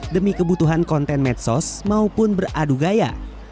demi kebutuhan konten medsos maupun beradu gaya